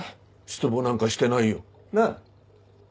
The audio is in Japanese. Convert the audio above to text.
失望なんかしてないよ。なぁ。